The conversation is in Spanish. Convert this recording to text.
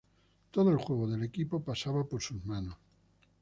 Todo el juego del equipo pasaba por sus manos.